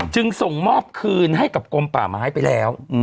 จึงส่งมอบคืนให้กับกลมป่าไม้ไปแล้ว